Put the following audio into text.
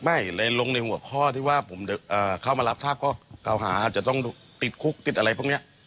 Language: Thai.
ไม่เลยลงในหัวข้อที่ว่าผมเข้ามารับทราบข้อเก่าหาอาจจะต้องติดคุกติดอะไรพวกนี้